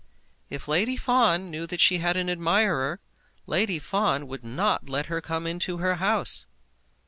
"If Lady Fawn knew that she had an admirer, Lady Fawn would not let her come into her house."